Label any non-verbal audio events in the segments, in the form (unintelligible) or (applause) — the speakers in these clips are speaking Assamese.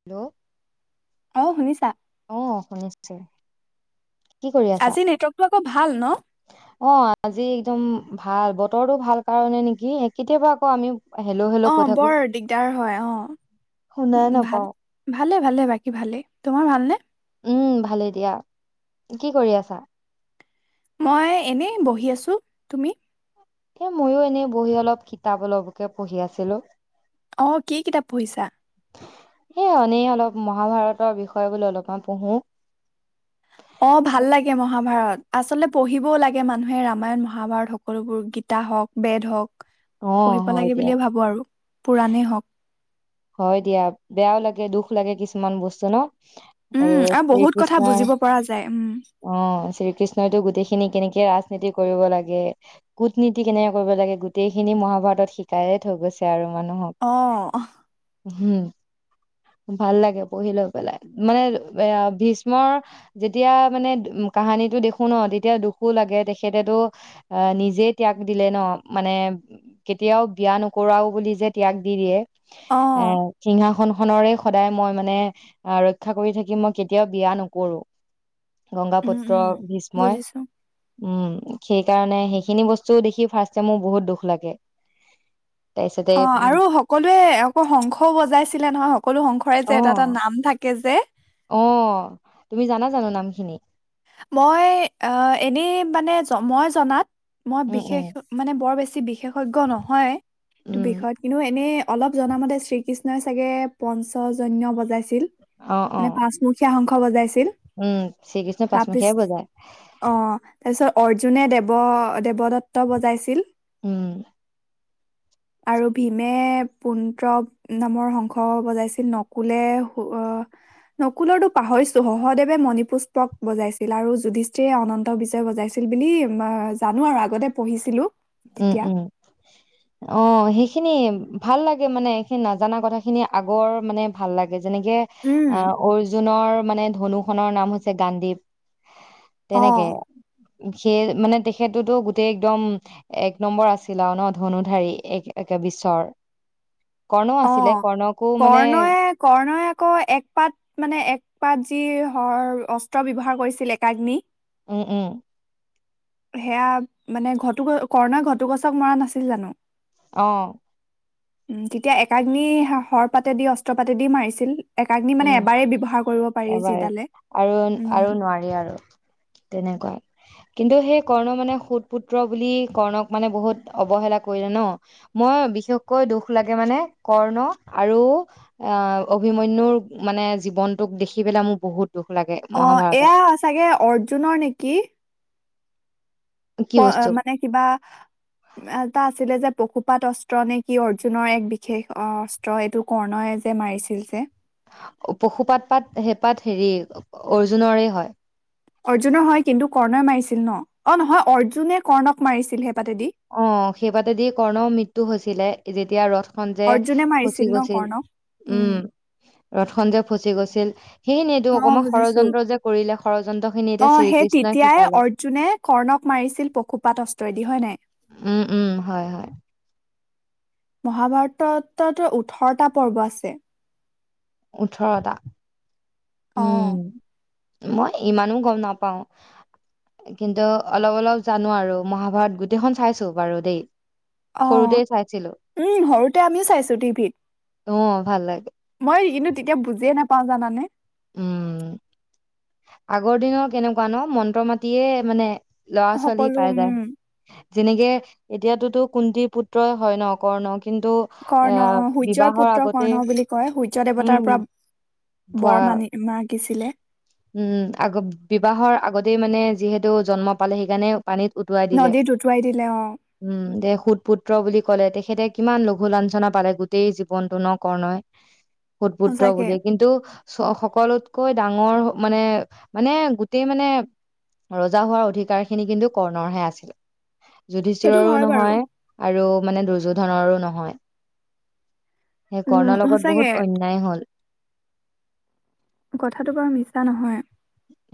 হেল্ল' অ', শুনিছা? অ', শুনিচু। কি কৰি আছা? আজি নেটৱৰ্কটো আকৌ ভাল ন? অ', আজি একদম ভাল ব বতৰটো ভাল কাৰণে নেকি? এ কেতিয়াবা আকৌ আমি হেল্ল' হেল্ল' কৈ অ', থাকো বৰ দিগদাৰ হয়। অ'। শুনাই উ, নাপাও ভাল। ভালে ভালে বাকী ভালেই। তোমাৰ ভালনে? উম, ভালেই দিয়া। কি কৰি আছা? মই এনে বহি আছো, তুমি? এ ময়ো এনেই বহি অলপ কিতাপ অলপকে পঢ়ি আছিলোঁ। অ', কি কিতাপ পঢ়িছা? সেই এনেই অলপ মহাভাৰতৰ বিষয়ে বুলু অলপমান পঢ়োঁ। অ', ভাল লাগে মহাভাৰত। আচলতে পঢ়িবও লাগে মানুহে ৰামায়ণ, মহাভাৰত, সকলোবোৰ। গীতা হওঁক, বেদ হওঁক। অ পঢ়িব হয় লাগে দিয়া বুলিয়ে ভাবো আৰু। পুৰাণেই হওঁক। হ'য় দিয়া। বেয়াও লাগে, দুখ লাগে, কিছুমান বস্তু নো? উম আৰু শ্ৰী বহুত কথা কৃষ্ণই, বুজিব পৰা যায় উম। অ', শ্ৰী কৃষ্ণইতো গোটেইখিনি কেনেকে এ ৰাজনীতি কৰিব লাগে, কুটনীতি কেনেকে কৰিব লাগে, গোটেইখিনি মহাভাৰতত শিকায়ে থৈ গৈছে আৰু। মানুহক অ হমম। ভাল লাগে পঢ়ি লৈ পেলাই। মানে এ ভীষ্মৰ যেতিয়া মানে ম কাহানীটো দেখো নহয়, তেতিয়া দুখো লাগে। তেখেতেতো, আহ নিজে ত্যাগ দিলে নো? মানে, কেতিয়াও বিয়া নকৰাও বুলি যে ত্যাগ দি দিয়ে অ এ, সিংহাখন খনৰে সদায় মই মানে, আহ ৰক্ষা কৰি থাকিম। মই কেতিয়াও বিয়া নকৰোঁ। উম গংগাাপুত্ৰ উম ভ্ৰীষ্মই। বুজিছো। উম। সেই কাৰণে সেইখিনি বস্তু দেখি ফাৰ্ষ্টে মোৰ বহুত দুখ লাগে। তাৰপিছতে অ', উম, আৰু সকলোৱে আকৌ শংখও বজাইছিলে নহয়, সকলো শংখৰে যে এটা এটা অ', নাম থাকে। যে অ তুমি জানা জানো নামখিনি মই অ এনেই মানে মই জনাত মই উম, উম, বিশেষ মানে বৰ বেছি বিশেষজ্ঞ নহয় এইটো উম, বিষয়ত কিন্তু এনে অলপ জনামতে শ্ৰীকৃষ্ণই চাগে পঞ্চজন্য বজাইছিল অ', মানে অ', পাঁচমুখীয়া খ বজাইছিল উম শ্ৰীকৃষ্ণ তাৰপিছ পাঁচমুখীয়াই বজায়। অ তাৰপিছত অৰ্জুনে দেৱ দেৱদত্ত বজাইছিল উম আৰু ভীমে পৌণ্ড্ৰ নামৰ শংস বজাইছিল নকুলে আহ নকুলৰটো পাহৰিছো সহদেৱে মণিপুষ্ট ক বজাইছিল আৰু যুধিষ্ঠিৰে অনন্ত বিজয় বজাইছিল বুলি জানো আৰু আগতে পঢ়িছিলো উম তেতিয়া উম অ সেইখিনি ভাল লাগে মানে এইখিনি নাজানা কথা খিনি আগৰ মানে ভাল লাগে যেনেকে উম অ অৰ্জুনৰ মানে ধনু খনৰ নাম হৈছে গান্ধীপ অ তেনেকে সেই মানে তেখেততো গোতেই একদম এক নম্বৰ আছিল আৰু ন ধনুধাৰী একে বিশ্বৰ কৰ্ণ অ আছিলে কৰ্ণকো মানে কৰ্ণয়ে কৰ্ণয়ে আকৌ এক পাত মানে এক পাত যি ৰ অস্ত্ৰ ব্যৱহাৰ কৰিছিল একাগ্নি উম উম সেয়া মানে ঘটুকছ কৰ্ণই ঘটুকছক মৰা নাছিল জানো অ উম তেতিয়া একাগ্নি হৰ পাতেদি দি অস্ত্ৰ পাতেদি মাৰিছিল একাগ্নি মানে উম এবাৰেই ব্যৱহাৰ কৰিব পাৰি এবাৰ যিডালে আৰু উম আৰু নোৱাৰি আৰু তেনেকুৱা কিন্তু সেই কৰ্ণ মানে সুত পুত্ৰ বুলি কৰ্ণক মানে বহুত অৱহেলা কৰিলে ন মই বিশেষকৈ দুখ লাগে মানে কৰ্ণ আৰু আহ অভিময়নুৰ মানে জীৱন টোক দেখি পেলাই মো বহুত অ মহাভাৰতত এয়া চাগে অৰ্জুনৰ নেকি কি বস্তু মানে কিবা এটা আছিলে যে পশুপাত অস্ত্ৰ নে কি অৰ্জুনৰ এক বিশেষ অস্ত্ৰ এইটো কৰ্ণয় যে মাৰিছিল যে পশুপাত পাত সেইপাত হেৰি অৰ্জুনৰে হয় অৰ্জুনৰ হয় কিন্তু কৰ্ণই মাৰিছিল ন অ নহয় অৰ্জুনে কৰ্ণক মাৰিছিল পাতেদি অ', সেইবাদি কৰ্ণ মৃত্যু হৈছিলে। যেতিয়া ৰথ খন যে অৰ্জুনে ফচি মাৰিছিল ন গৈছিল! কৰ্ণক উম, ৰথখন যে ফচি গৈছিল। সেইখিনিয়েতো অ' অকমান বুজিছো। ষড়যন্ত্ৰ যে কৰিলে ষড়যন্ত্ৰ খিনি এতিয়া অ' সেই শ্ৰীকৃষ্ণই তেতিয়াই শিকালে অৰ্জুনে কৰ্ণক মাৰিছিল পশুপাত অস্ত্ৰৰেদি হয় নাই? উম-উম, হয়-হয়। মহাভাৰততটো ওঠৰটা পৰ্ব আছে। ওঠৰটা। অ'। উম মই ইমানো গম নাপাওঁ, কিন্তু অলপ-অলপ জানো আৰু মহাভাৰত গোটেইখন চাইছোঁ বাৰু দেই। অ', সৰুতে চাইছিলো উম! সৰুতে আমিও চাইছোঁ টিভিত। অ' ভাল লাগে। মই কিন্তু তেতিয়া বুজিয়ে না পাওঁ জানানে? উম। আগৰ দিনৰ কেনেকুৱা ন' মন্ত্ৰ মাতিয়ে মানে ল'ৰা-ছোৱালী সকলো পাই উম, যায়। যেনেকে এতিয়াতোতো কুন্তিৰ পুত্ৰই হয় ন' কৰ্ণক কৰ্ণ, সূৰ্য্যৰ পুত্ৰ আগতে কৰ্ণ বুলি কয়। সূৰ্য উম দেৱতাৰ পৰা পোৱা বৰমানি (unintelligible) শিকিছিলে উম, আগ বিবাহৰ আগতেই মানে যিহেতু জন্ম পালে সেইকাৰণে পানীত উটুৱাই দিলে নদীত উটুৱাই দিলে অ', উম, দে সুত পুত্ৰ বুলি ক'লে তেখেতে কিমান লঘু লাঞ্চনা পালে গোটেই জীৱনটো ন' কৰ্ণই। সুত পুত্ৰ সঁচাকে। বুলিয়ে কিন্তু চ' সকলোতকৈ ডাঙৰ মানে মানে গোটেই মানে ৰজা হোৱাৰ অধিকাৰ খিনি কিন্তু কৰ্ণৰহে আছিল। সেইটো যুধিষ্ঠিৰৰো হয় বাৰু, নহয় আৰু মানে দুৰ্যোধনৰো নহয়। সেই উম, কৰ্ণৰ লগত সঁচাকে বহুত অন্যায় হ'ল। কথাটো বাৰু মিছা নহয়।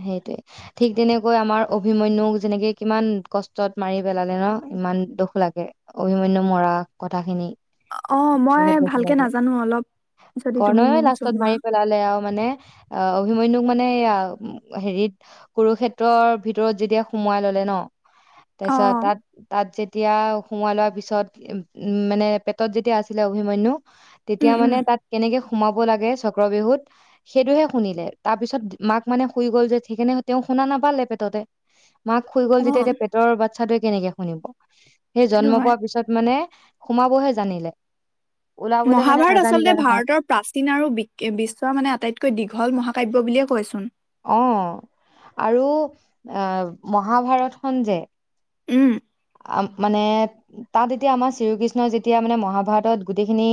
সেইটোৱে ঠিক তেনেকৈ আমাৰ অভিমন্যুক যেনেকে কিমান কষ্টত মাৰি পেলালে ন' ইমান দুখ লাগে অভিমন্যুক মৰা কথাখিনি। অ', মই বহুত দুখ ভালকে লাগে নাজানো অলপ যদি তুমি কৰ্ণই মোক জনোৱা। অ', অভিমন্যু মানে হেৰিত কুৰুক্ষেত্ৰৰ ভিতৰত যেতিয়া সোমোৱাই ল'লে ন' তৰিচত অ', তাত তাত যে তেতিয়া সোমোৱাই লোৱাৰ পিছত উম, মানে পেটত যেতিয়া আছিলে অভিমন্যু তেতিয়া উম, উম, মানে তাত কেনেকে সোমাব লাগে চক্ৰ বিহুত সেইটোহে শুনিলে তাৰ পিছত মাক মানে শুই গ'ল যে সেইকাৰণে তেওঁ শুনা নাপালে পেটতে মাক শুই গল যেতিয়া অ', এতিয়া পেটৰ টোৱে কেনেকে শুনিব সেই সেইটো জন্ম হয়। পোৱা পিছত মানে সুমাবহে জানিলে ওলাবলে মানে মহাভাৰত নাজানিলে আচলতে নহয় ভাৰতৰ প্ৰাচীন আৰু বিশ্বৰ মানে আটাইতকৈ দীঘল মহাকাব্য বুলিয় কয় কৈচোন অ আৰু আহ মহাভাৰতখন যে উম মানে তাত এতিয়া আমাৰ শ্ৰীকৃষ্ণই যেতিয়া মানে মহাভাৰতত গোটেইখিনি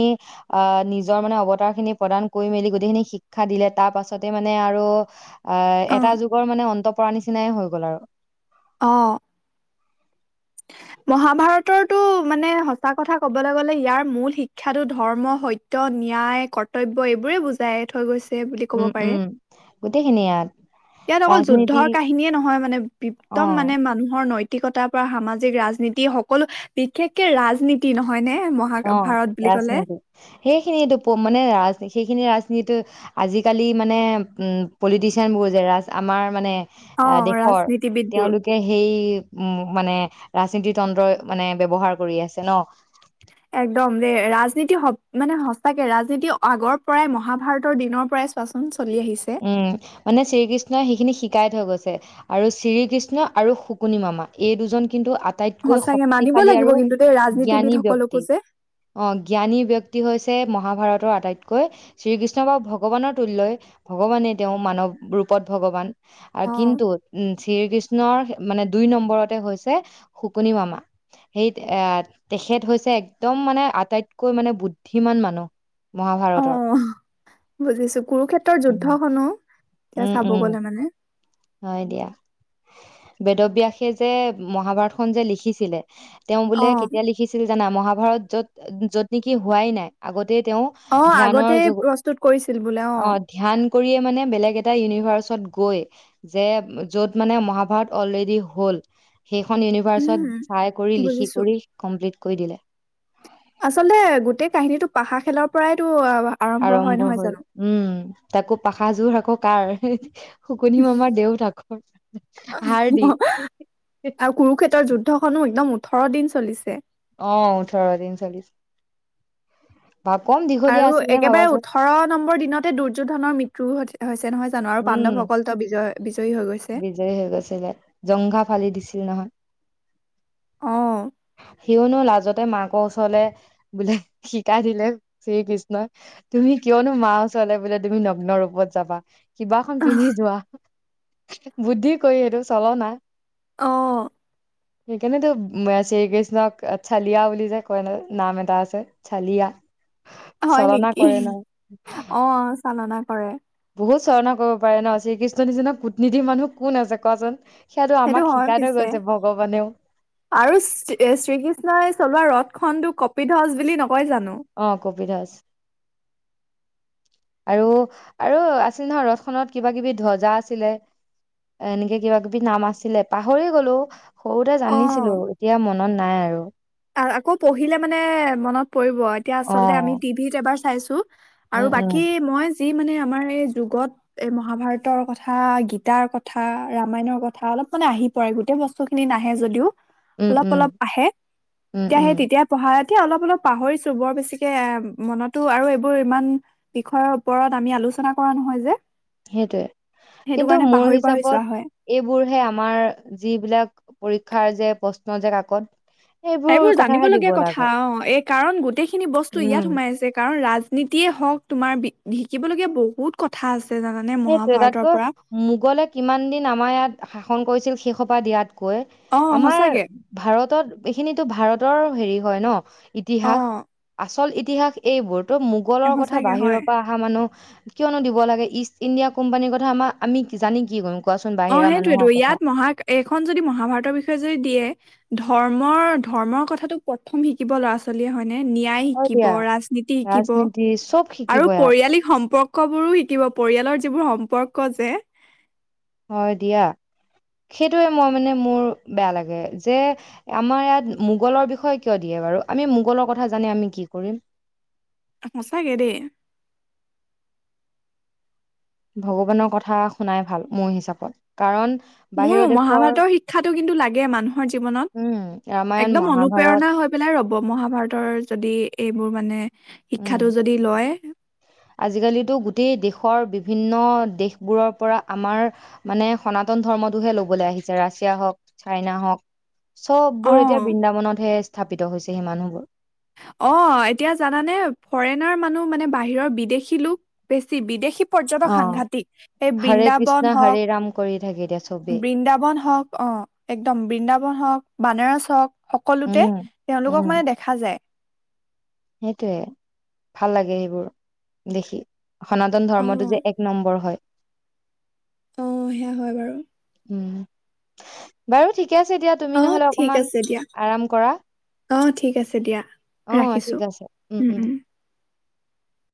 আহ নিজৰ মানে অৱতাৰ খিনি প্ৰদান কৰি মেলি গোটেইখিনি শিক্ষা দিলে তাৰ পাছতে মানে আৰু অ এটা যুগৰ মানে অন্ত পৰা নিচিনাই হৈ গ'ল আৰু অঁ মহাভাৰতৰটো মানে সঁচা কথা কবলৈ গলে ইয়াৰ মূল শিক্ষাটো ধৰ্ম সত্য ন্যায় কৰ্তব্য এইবোৰে বুজাই থৈ গৈছে বুলি কব উম পাৰে উম গোটেইখিনি ইয়াত ইয়াত অকল ৰাজনীতি যুদ্ধৰ কাহিনীয়ে নহয় মানে বিপ্তম অ মানে মানুহৰ নৈতি পৰা সাজ ৰাজনীতি সকলো বিশেষকে ৰাজনীতি নহয় নে অ মহাভাৰত বুলি ক'লে? ৰাজনীতি সেইখিনিটো মানে ৰাজনীতি সেইখিনি যিতু আজিকালি মানে উ পলিটিচিয়ানবোৰ যে ৰাজ আমাৰ মানে আহ অ', দেশৰ ৰাজনীতিবিদবোৰ। তেওঁলোকে সেই উ মানে ৰাজনীতি তন্ত্ৰই মানে ব্যৱহাৰ কৰি আছে ন একদম যে ৰাজনীতি স মানে সঁচাকে ৰাজনীতি আগৰ পৰাই মহাভাৰতৰ দিনৰ পৰাই চোৱাচোন চলি আহিছে। উম মানে শ্ৰীকৃষ্ণই সেইখিনি শিকাই থৈ গৈছে আৰু শ্ৰীকৃষ্ণ আৰু শুকুনি মামা এই দুজন কিন্তু আটাইতকৈ সঁচাকে মানিব শক্তিশালী লাগিব আৰু কিন্তু দেই ৰাজনীতিবিদ জ্ঞানী সকলকো ব্যক্তি যে অ জ্ঞানী ব্যক্তি হৈছে মহাভাৰত আটাইতকৈ শ্ৰীকৃষ্ণ বা ভগৱানৰ তুল্য ভগৱানে তেওঁ মানৱ ৰূপত ভগৱান আৰু অ কিন্তু উম শ্ৰী কৃষ্ণৰ মানে দুই নম্বৰতে হৈছে শুকনি মামা সেই এ তেখেত হৈছে এক্দম মানে আটাইতকৈ মানে বুদ্ধিমান মানুহ অ মহাভাৰতৰ বুজিছো কুৰুক্ষেত্ৰৰ য উম শুনো এতিয়া উম চাব উম গ'লে মানে হয় দিয়া বেদবিয়াসে যে মহাভাৰতখনন যে লিখিছিলে তেওঁ অ বোলে কেতিয়া লিখিছিল জানা মহাভাৰত য'ত য'ত নেকি হোৱাই নাই আগত তেওঁ অ আগতে প্ৰস্তুত কৰিছিল বোলে অ ধ্যান কৰিয়ে মানে বেলেগ এটা ইউনিট তাৰ ওচৰত গৈ যে য'ত মানে মহাভাৰত অলৰেডি হ'ল সেইখন ইউনিত উম চাই কৰি লিখি বুজিছো কৰি কৰিমপ্লিট কৈ দিলে আচলতে গোটেই কাহিনীটো পাহা খেলৰ পৰাইতো আৰম্ভ হয় উম তাকো পাখাযোৰ আকৌ কাৰ শুকনি মামাৰ দেউতাকৰ হাড় দি আৰু কুৰুক্ষেত্ৰৰ যুদ্ধখনো একদম ওঠৰ দিন চলিছে অ ওঠৰদি চলিছে আৰু একেবাৰে ভাবাচোন ওঠৰ নম্বৰ দিনতে দুৰ্যোধনৰ মৃত্যুও ঘটিল আছে নহয় জানো আৰু উম পাণ্ডৱসকলতো বিজয় বিজয়ী হৈ গৈছে বিজয়ী হৈ গৈছিলে জংঘা ফালি দিছিল নহয় অ (inaudible) কিয়নো লাজতে মাকৰ ওচৰলে বোলে শিকাই দিলে শ্ৰীকৃষ্ণই তুমি কিয়নো মাৰ ওচৰলে বোলে তুমি নগ্ন ৰূপত যাবা কিবাখন পিন্ধি যোৱা বুদ্ধি কৰি সেইটো চল না অ সেইকাৰণেতো শ্ৰীকৃষ্ণক চালিয়া বুলি যে কয় ন নাম এটা আছে চালিয়া হয় চলনা নেকি কৰে ন অ চালনা কৰে বহুত চালনা কৰিব পাৰে ন শ্ৰীকৃষ্ণ নিচনা কুটনীতি মানুহ কোন আছে কোৱা চোন সেইটো হয় পিছে আৰু শ্ৰীকৃষ্ণই চলোৱা ৰথ খন টো কপিধ্বজ বুলি নকয় জানো অ কপিধজ আৰু আৰু আছিল নহয় ৰথ খনত কিবা কিবি ধজা আছিলে এনেকে কিবা কিবি নাম আছিলে পাহৰি গলো সৰুতে অ জানিছিলো এতিয়া মন মনত নাই আৰু আকৌ পঢ়িলে মানে মনত পৰিব এতিয়া অ আচলতে আমি টিভিত এবাৰ চাইছো আৰু উম উম বাকী মই যি মানে আমাৰ এই যুগত এ মহাভাৰতৰ কথা গীতাৰ কথা ৰামায়ণৰ কথা অলপ মানে আহি পৰে গোটেই বস্তুখিনি নাহে যদিও উম অলপ উম অলপ আহে উম তেতিয়া উম সেই তেতিয়া পঢ়া এতিয়া অলপ অলপ পাহৰিছো বৰ বেছিকে এ মনতো আৰু এইবোৰ ইমান বিষয়ৰ ওপৰত আমি আলোচনা কৰা নহয় যে সেইটোয়ে সেইটো কিন্তু কাৰণে মোৰ পাহৰি পাহৰি যোৱা হয় হিচাপত এইবোৰহে আমাৰ যিবিলাক পৰীক্ষাৰ যে প্ৰশ্ন যে কাকত সেইবোৰ এইবোৰ জানিব কথাহে দিব লগীয়া লাগে কথা অ এই কাৰণ গোটেইখিনি বস্তু ইয়াত উম সোমাই আছে কাৰণ ৰাজ নীতিয়ে হওক তোমাৰ শিকিবলগীয়া বহুত কথা আছে জানানে সেইটোৱে তাতো মহাভাৰতৰ পৰা মোগলে কিমান দিন আমাৰ ইয়াত শাসন কৰিছিল সেইসোপা দিয়াত কৈ অ আমাৰ সঁচাকে ভাৰতত এইখিনিতো ভাৰত ৰ হেৰি হয় ন অ ইতিহাস আচল ইতিহাস এইবোৰ্ মোগলৰ কথা সঁচাকে হয় বাহিৰৰ পৰা অহা মানুহ কিয়নো দিব দিব লাগে ইণ্ডিয়া কোম্পানীৰ কথা আমাৰ আমি জানি কি কৰোঁ অ সেইটোয়েতো ইয়াত মহা এইখন যদি মহাভাৰতৰ বিষয়ে যদি দিয়ে ধৰ্মৰ ধৰ্মৰ কথাটো প্ৰথম শিকিব ল'ৰা ছোৱালীয়ে হয় নে ন্যায় হয় শিকিব দিয়া ৰাজনীতি শিকিব ৰাজনীতি চব আৰু শিকিব ইয়াত পৰিয়ালিক সম্পৰ্ক বোৰো শিকিব পৰিয়ালৰ যিবোৰ সম্পৰ্ক ক যে হয় দিয়া সেইটোৱে মই মানে মোৰ বেয়া লাগে যে আমাৰ ইয়াত মোগলৰ বিষয়ে কিয় দিয়ে বাৰু আমি মোগলৰ কথা জানি আমি কি কৰিম সঁচাকে দেই ভগৱানৰ কথা শুনাই ভাল মোৰ হিচাপত কাৰণ বাহিৰৰ মোৰো দেশৰ মহাভাৰতৰ শিক্ষাটো কিন্তু লাগে মানুহৰ উম জীৱনত ৰামায়ণ একদম মহাভাৰত অনুপ্ৰেৰণা হৈ পেলাই ৰব মহাভাৰতৰ যদি এইবোৰ মানে উম শিক্ষাটো যদি লয় আজিকালিতো গোটেই দেশৰ বি বিভিন্ন দেশবোৰৰ পৰা আমাৰ মানে সনাতন ধৰ্মটোহে ল'বলৈ আহিছে ৰাছিয়া হওক চাইনা হওক চব বোৰ এতিয়া অ' বৃন্দাবনতহে আছে স্থাপিত হৈছে সেই মানুহবোৰ অ এতিয়া জানানে ফৰেনাৰ মানুহ মানে বাহিৰৰ বিদেশী লোক বেছি বিদেশী পৰ্যটক অ সাংঘাতিক এই হৰে কৃষ্ণ বৃন্দাবন হৰে হওক ৰাম কৰি থাকে এতিয়া চবেই বৃন্দাবন হওক অ একদম বৃন্দাবন হওক বানাৰস চওক (inaudible) সকলোতে উম তেওঁলোকক মানে দেখা যায় সেইটোৱে ভাল লাগে সেইবোৰ দেখি সনাতন অ' ধৰ্মটো যে এক নম্বৰ হয়। অ', সেয়া হয় বাৰু। উম, বাৰু ঠিক ঠিকে আছে দয়া তুমি অ' নহ'লে ঠিক অকমান আছে দিয়া আৰাম কৰা। অ', ঠিক আছে দিয়া। অ ৰাখিছো ঠিক আছে উম, উম।